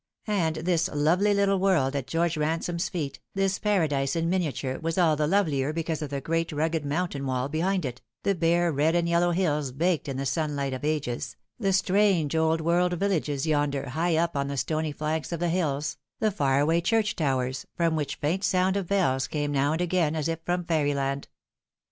And this lovely little world at George Ransome's feet, this paradise in, miniature, was all the lovelier because of the great rugged moun tain wall behind it, the bare red and yellow hills baked in the sunlight of ages, the strange old world villages yonder high up on the stony flanks of the hills, the far away church towers, from which faint sound of bells came now and again as if from fairyland.